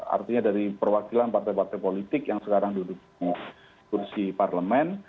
artinya dari perwakilan partai partai politik yang sekarang duduk di kursi parlemen